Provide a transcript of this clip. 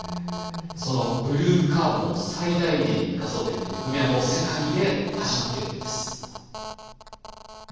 そのブルーカーボンを最大限に生かそうという取り組みはもう世界で始まっているんです。